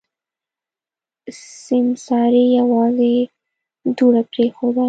سيمسارې يوازې دوړه پرېښوده.